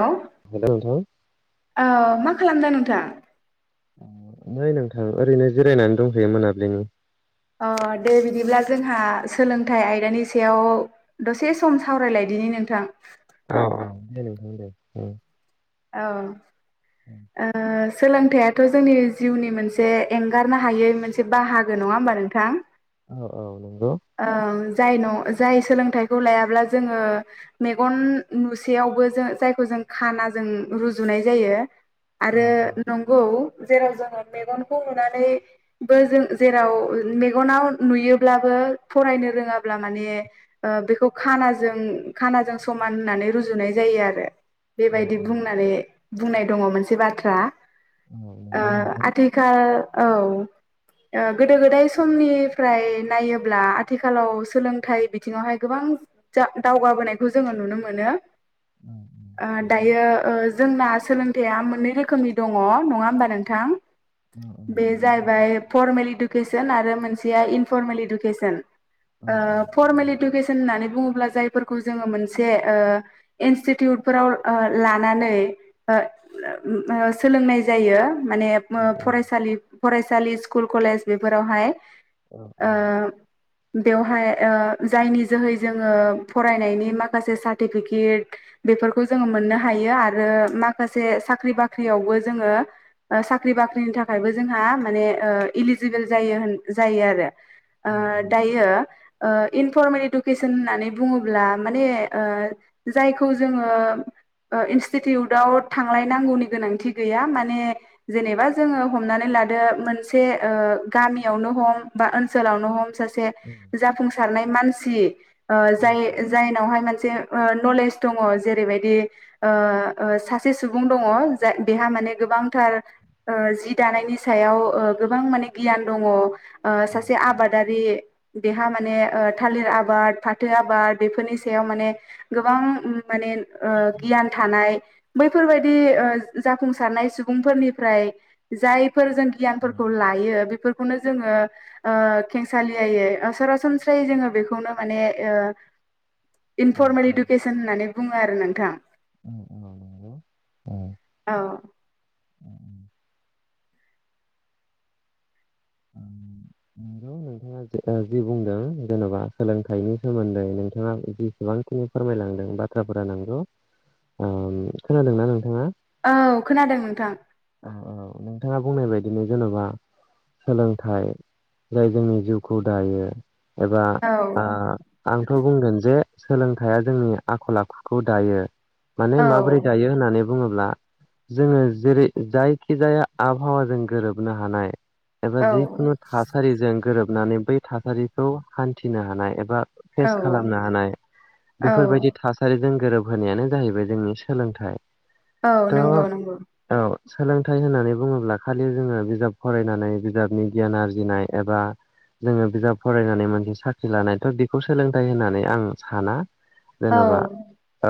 Hello, hello नोंथां औ मा खालामदों नोंथां? नै नोंथां ओरैनो जिरायनानै दंफैयो मोनाबिलिनि । औ दे बिदिब्ला जोंहा सोलोंथाइ आयदानि सायाव दसे सम सावरायलाय दिनि नोंथां औ औ दे दे औ औ सोलोंथाइथ' जोंनि जिउनि मोनसे एंगारनो हायै मोनसे बाहागो नङा होमबा नोंथां? औ औ नोंगौ औ जाय न' जाय सोलोंथाइखौ लायाब्ला जोङो मेगन नुसेयावबो जायखौ जों खाना जों रुजुनाय जायो। औ आरो नंगौ जेराव जोङो मेगनखौ नुनानैबो जों जेराव मेगनाव नुयोब्लाबो फरायनो रोङाब्ला माने बेखौ खानाजों खानाजों समान होननानै रुजुनाय जायो आरो बे बायदि बुंनानै बुंनाय द मोनसे बाथ्रा । ओ नंगौ नोंथां आथिखाल औ गोदो गोदाय समनिफ्राय नायोब्ला आथिखालाव सोलोंथाइ बिथिङावहाय गोबां दावगाबोनायखौ जोङो नुनो मोनो। औ औ दायो जोंना सोलोंथाइया मोननै रोखोमनि दङ नङा होमबा नोंथां? औ औ बे जाहैबाय फरमेल इडुकेसन आरो मोनसेया इनफरमेल इदुकेसन औ ओ फरमेल इडुकेसन होननानै बुङोब्ला जायफोरखौ जोङो मोनसे ओ इन्सटिटिउटफोराव ओ लानानै ओ ओ सोलोंनाय जायो माने ओ फरायसा सालि फरायसालि स्कुल कलेज बेफोरावहाय औ ओ बेवहाय ओ जायनि जोहै जोङो फरायनायनि माखासे सार्टिफिकेट बेफोरखौ जोङो मोननो हायो आरो माखासे साख्रि बाख्रियावबो जोङो साख्रि बाख्रिनि था खायबो जोंहा माने इलिजिबोल जायो होन जायो आरो ओ दायो ओ इनफरमेल इडुकेसन होननानै बुङोब्ला माने ओ जायखौ जोङो ओ इनस्टिउटव थांलायनांगौनि गोनांथि गैया माने जेनेबा जोङो हमनानै लादो मोनसे ओ गामियावनो हम बा ओनसोलावनो हम से जाफुंसारनाय मानसि ओ जाय जायनावहाय मोनसे ओ नलेज दङ जेरै बाय दि ओ ओ सासे सुबुं दङ जाय बेहा माने गोबांथार ओ जि दायो दानायनि सायाव ओ गोबां माने गियान दङ ओ सासे आबादारि बे हा माने थालिर आबाद फाथो आबाद बेफोरनि सायाव माने गोबां माने ओ गियान थानाय बैफोरबायदि ओ जाफुंसारनाय सुबुंफोरनिफ्राय जाय फोर जों गियानफोरखौ लायो बेफोर खौनो जोङो ओ खेंसालियायै ओ सरासनस्रायै जोङो बेखौनो माने ओ इनफर्मेल इडुकेसन होननानै बुङो आरो नोंथां औ नंगौ दङ। अह नंगौ नोंथाङा जि बुंदों जेन'बा सोलोंथाइनि सोमोन्दै नोंथाङा जिसेबांखिनि फोरमायलांदों। बाथ्राफोरा नोंगौ ओम खोनादोंना नोंथाङा औ खोनादों नोंथां औ औ नोंथाङा बुंनाय बायदिनो जेनबा सोलोंथाइ जाय जोंनि जिउ खौ दायो एबा औ ओ आंथ' बुंगोन जे सोलोंथाइया जोंनि आखल आखुखौ दायो माने औ माबोरै दायो होननानै बुङोब्ला जोङो जेरै जायखिजाया आबहावाजों गोरोबनो हानाय एबा औ जिखुनु थासारिजों गोरोबनानै बै थासारिखौ हान्थिनो हानाय एबा औ फेस खालामनो हानाय औ बेफोरबायदि थासारिजों गोरोब होनायानो जाहैबाय जोंनि सोलोंथाइ औ थ' नंगौ नंगौ। औ सोलोंथाइ होननानै बुङोब्ला खालि जोङो बिजाब फरायनानै बिजाबनि गियान आरजिनाय एबा जोङो बिजाब फरायनानै मोनसे साख्रि लानाय थ' बेखौ सोलोंथाइ होननानै आं साना जेनबा औ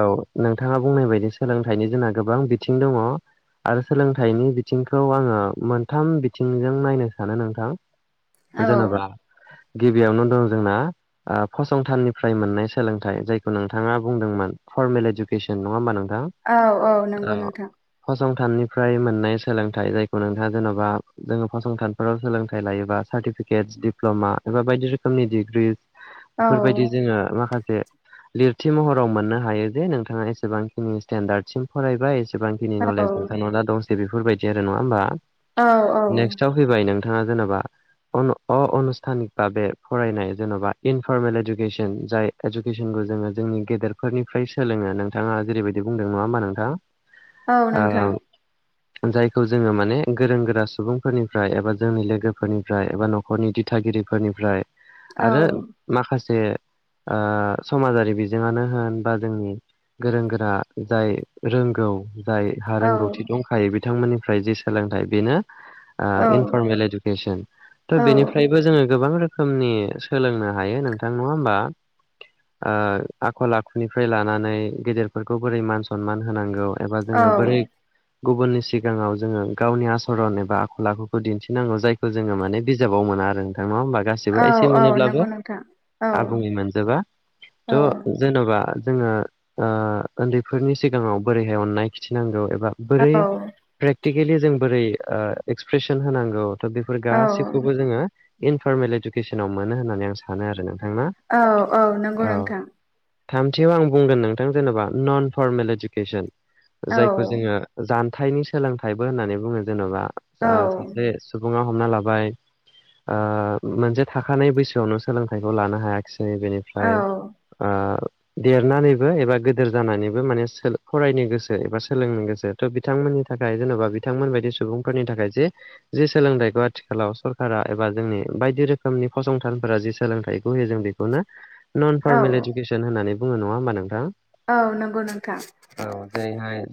औ नोंथाङा बुंनाय बायदि सोलोंथाइनि जोंहा गोबां बिथिं दङ आरो सोलोंथाइनि बिथिंखौ आङो मोनथाम बिथिंजों नायनो सानो नोंथां। औ जेनबा गिबियावनो दं जोंना फसंथाननिफ्राय मोननाय सोलोंथाइ जायखौ नोंथाङा बुंदोंमोन। फरमेल इजुकेसन नङा होमबा नों औ औ नंगौ नोंथां फसंथाननिफ्राय मोननाय सोलोंथाइ जायखौ नोंथाङा जेनबा जोङो फसंथानफोराव सोलोंथाइ लायोबा सार्टिफि केट डिप्लमा एबा बायदि रोखोमनि डिग्रि औ फोरबायायदि जोङो माखासे से लिरथि महराव मोननो हायो जे नोंथाङा एसेबांखिनि स्टेडार्ड सिम फरायबाय जसेबांखिनि औ नलेज नोंथांनाव दा दंसै बेफोरबायदि आरो नङा होमबा औ औ नेक्स्टआव फैबाय नों नोंथाङा जेनेबा अनु अ अनुस्थानिक बाबे फरायनाय जेनबा इनफरमेल इडुकेसन जाय इडुकेसनखौ जों जोङो जोंनि गेदेरफोरनिफ्राय सोलोङो नोंथाङा जेरैबायदि बुंदों नङा होमबा नोंथां। औ ओ नोंथां। जायखौ जोङो माने गोरों गोरा सुबुंफोरनिफ्राय एबा जोंनि लोगोफोरनि फ्राय एबा नखरनि दिथागिरिफोरनिफ्राय औ आरो माखासे ओ समाजारि बिजोङानो होन बा जोंनि गोरों गोरा जाय रोंगौ जायहा औ रोंगौथि दंखायो बिथांमोननिफ्राय जि सोलोंथाइ बेनो ओ इनफर्मेल एडुकेसन औ बेनिफ्रायबो जोङो गोबां रोखोमनि सोलोंनो हायो नोंथां नङा होमबा ओ आखल आखुनिफ्राय लानानै गेदेरफोरखौ बोरै मान सनमान होनांगौ एबा जोङो औ बोरै गुबुननि सिगाङाव जोङो गावनि आसरन एबा आखल आखुखौ दिन्थिनांगौ जायखौ जो जोङो माने बिजाबाव मोना आरो नोंथां नङा होमबा गासिबो औ एसे औ मोनोब्लाबो नंगौ नोंथां औ आबुुं मोनजोबा औ थ' जेन'बा जोङो उन्दैफोरनि सिगाङाव बोरैहाय अननाय खिथिनांगौ । एबा बोरै प्रेकटिकेलि जों बोरै एक्सप्रेसन होनांगौ थ बे फोरफोर औ गाैखौबो जोङो इनफरमेल इडुकेसनाव मोनो होननानै आं सानो आरो नों । औ औ नंगौ नोंथां । थामथियाव आं बुंगोन नोंथां जेनेबा नन फरमेल इडुकेसन औ नंगौ नोंथां औ जायखौ जोङो हथाइनि सोलोंथाइबो होननानै बुङो जेन'बा औ सासे सुबुं हमना लाबाय मोनसे थाखानाय बैसोआवनो सोलोंथाइखौ लानो हायाखै । सिनि बेनिफ्राय औ ओयोम। देरनानैबो एबा गोदोर जानानैबो माने सो फरायनो गोसो एबा सोलोंनो गोसो थ' बिथांमोन थाखाय जेन'बा बिथांमोन बायदि सुबुंफोरनि थाखाय जे जे सो सोलोंथाइखौ आथिखालाव सरकारा एबा जोंनि बायदि रोखोमनि फसंथानफोरा जि सोलोंथाइखौ होयो जों बिखौनो । नो नन फरमेलिडि केसन होननानै बुङो नङा होमबा नोंथाङा? औ नंगौ नोंथां।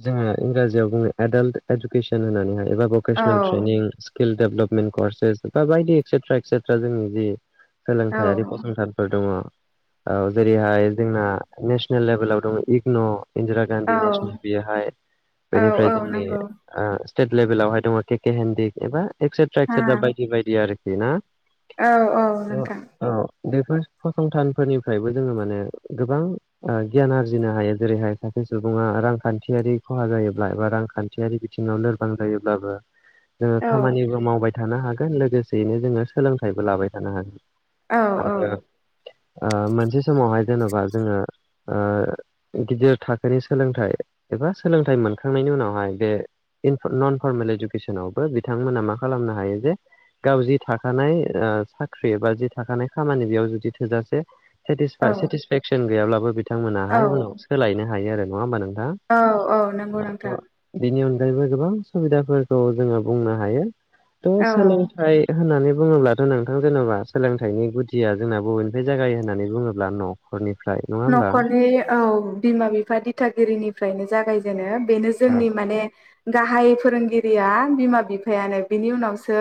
जोंयो इंराजियाव बुङो आडाल्ट इडुकेसन होननानैहाय एबा भकेसनेल ट्रेनिं। [unintelligible] सोलोंथाइयारि फसनथानफोर दङ। औ जेरैहाय जोंना नेसनेल लेभेलाव दङ इगन'। इन्दिरा गान्धी नेसनेल बिहाय औ बेनिफ्राय औ जोंनि नंगौ ओ। सिटेट लेभेलावहाय दङ केके हेनडिग एबा एक्सेट्राय हा एक्सेट्रा बायदि बायदि आरोखि ना। औ औ नोंथां । बेफोर फसंथानफोरनिफ्रायबो जोङो माने गोबां ओ गियान आरजिनो हायो जेरैहाय सासे सुबुङा रांखान्थियारि खहा जायोब्ला एबा रांखान्थियारि बिथिङाव लोरबां जायोब्लाबो जोङो औ खामानिबो मावबाय थानो हागोन लोगोसेयैनो जोङो सोलोंथाइबो लाबाय थानो हागोन। औ आरो ओ मोनसे समावहाय जेन'बा जोङो ओ गिदिर थाखोनि सोलोंथाइ एबा सोलोंथाइ मोनखांनायनि उनावहाय बे इनप नन फरमेल इडुकेसनावबो बिथांमोना मा खालामनो हायो जे गाव जि थाखानाय ओ साख्रि बा जि थाखानाय खामानि बेयाव जुदि थोजासे औ सेटिसफा सेटिसपेचन गैयाब्लाबो औ बिथांमोनाहाय उनाव सोलायनो हायो नङा होमब नों औ औ नंगौ नोंथां [inaudible] जेरैबो गोबां सुबिदाफोरखौ जोङो बुंनो हायो औ थसोलोंथाइ होननानै बुङोब्लाथ' नोंथां जेनेबा सोलोंथाइनि गुदिया जोंना बबेनिफ्राय जागायो होननानै बुङोब्ला न'खरनि न'खरनि औ बिमा बिफा दिथागिरिनिफ्रायनो जागायजेनो। बेनो जोंनि माने गाहाय फोरोंगिरिया बिमा बिफायानो बिनि उनावसो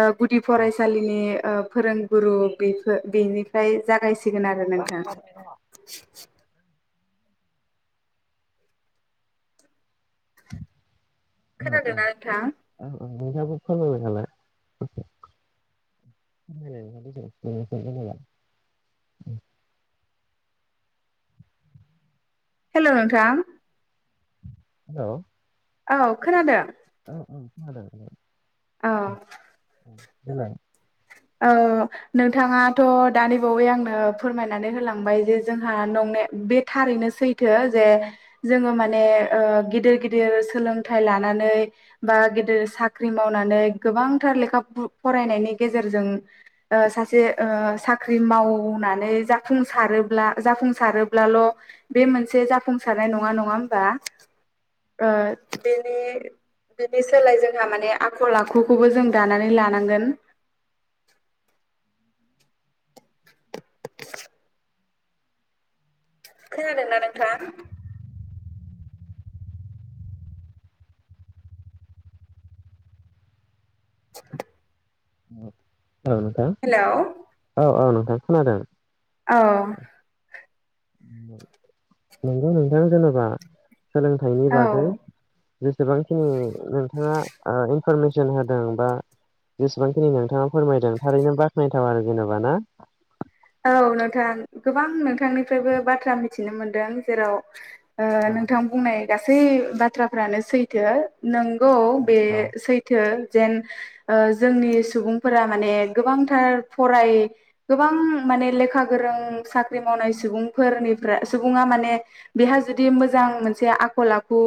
ओ गुदि फरायसालिनि ओ फोरोंगुरु बिफो बिनिफ्राय जागायस सिगोन आरो नोंथां। सिखा। [inaudible] खोनादोना नोंथां? मैथाखौ फोबोबायनालाय। [inaudible] हेलौ' नोंथां? हेलौ। औ खोनादों। औ औ खोनादों नोंथां। औ। देलाय- औ नोंथाङाथ' दानि बावै आंनो फोरमायनानै होलांबाय जे जोंहा नं बे बे थारैनो सैथो जे जोङो माने ओ गिदिर गिदिर मोलोंथाइ ला लानानै बा गेदेर साख्रि मावनानै गोबांथार लेखा बु फरायनायनि गेजेर जेरजों ओ सासे ओ साख्रि मावनानै जाफुंसारोब्ला जाफुं सारोब्लाल' बे मोनसे जाफुंसारनाय नङा नङा होमबा। ओ बेनि बेनि सोलाय जोंहा माने आखल आखुखौबो जों दानानै लानांगोन। [inaudible] खोनादोंना नोंथां। [inaudible] औ नोंथां हेलौ औ औ नोंथां खोनादों। औ। नंगौ नोंथां जेनेबा सोलोंथाइनि औ बागै जेसेबांखिनि नोंथाङा ओ। पारमिसन होदों बा जेसेबांखिनि नोंथाङा फोरमायदों थारैनो बाख्नायथाव आरो जेन'बा ना औ नोंथां गोबां नोंथांनिफ्रायबो बाथ्रा मिथिनो मोनदों जेराव ओ नोंथां बुंनाय गासै बाथ्राफ्रानो सैथो नों नंगौ बे सैथो जेन ओ जोंनि सुबुंफोरा माने गोबांथार फराय गोबां माने लेखा गोरों साख्रि मावनाय सुबुंफोरनि सुबुंङा माने बेहा जुदि मोजां आं मोनसे आखल आखु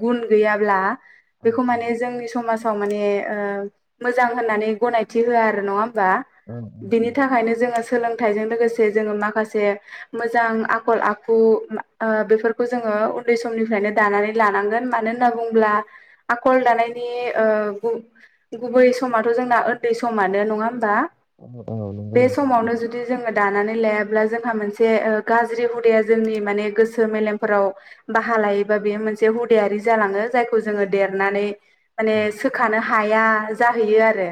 गुन गैयाब्ला बेखौ माने जोंनि समाजाव माने ओ मोजां होननानै गनायथि होआ आरो नङा होमबा बिनि थाखायनो जोङो सोलोंथाइजों लोगोसे जोङो माखासे मोजां आखल आखु ओ बेफोरखौ जोङो उन्दै समनिफ्रायनो दानानै लानांगोन मानो होनना बुंङोब्ला आखल दानायनि गुबै समाथ' जोंना उन्दै समानो नङा होमबा बे समावनो [unintelligible] जुदि जोङो दानानै लायाब्ला जोंहा मोनसे ओ गाज्रि हुदाया जोंनि माने गोसो मेलेमफोराव बाहा लायोबा बे मोनसे हुदायारि जालाङो जायखौ जोङो देरनानै माने सोखानो हाया जाहैयो आरो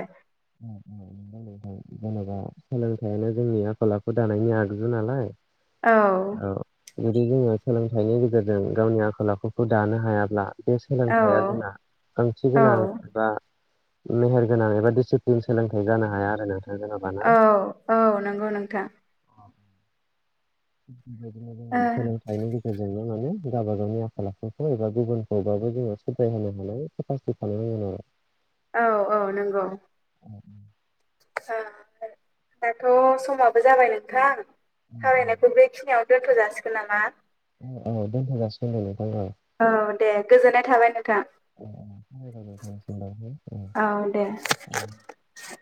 जेनेबा सोलोंथाइयानो जोंनि आखल आखु दानायनि आगजु नालाय। औ औ [unintelligible] सोलोंथाइनि गेजेरजों गावनि आखल आखुखौ दानो हायाब्ला बे सोलोंथाइया औ जोंना ओंथि गोनां औ एबा मेहेर गोनां एबा दिसि जों सोलोंथाइ जानो हाया आरो ना औ औ नंगौ नोंथां बेबायदिनो जोङो ओ सोलोंथाइनि गेजेरजोंनो माने गावबा गावनि आखल आखुखौ एबा गुबुनखौबाबो जोङो सुद्राय होनो हानाय केपासिटि थानो नांगोन आरो औ औ नंगौ दाथ' समाबो जाबाय नोंथां थाबरायनायखौ बेखिनियाव दोनथ' जासिगोन नामा औ दोनथ'। [unintelligible] औ दे गोजोननाय थाबाय नों औ दे। [inaudible]